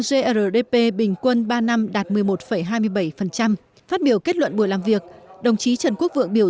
grdp bình quân ba năm đạt một mươi một hai mươi bảy phát biểu kết luận buổi làm việc đồng chí trần quốc vượng biểu